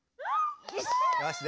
よし！